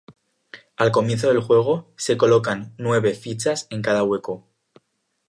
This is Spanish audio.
Al comienzo del juego, se colocan nueve fichas en cada hueco.